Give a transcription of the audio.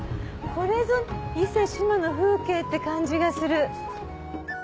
これぞ伊勢志摩の風景って感じがする。